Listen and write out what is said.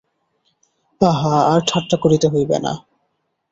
আহা, আর ঠাট্টা করিতে হইবে না।